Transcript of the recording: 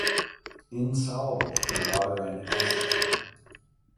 Insoluble in water and acetone.